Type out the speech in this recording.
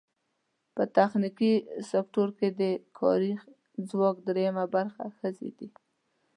په تخنیکي سکټور کې د کاري ځواک درېیمه برخه ښځې دي.